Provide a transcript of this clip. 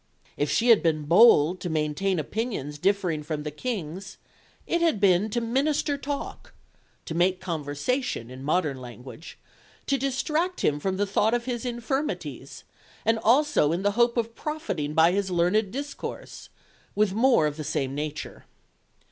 If she had been bold to maintain opinions differing from the King's, it had been to "minister talk" to make conversation, in modern language to distract him from the thought of his infirmities, as also in the hope of profiting by his learned discourse with more of the same nature.